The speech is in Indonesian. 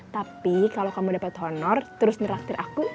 tapi kalau kamu dapet honor terus nyerahkan aku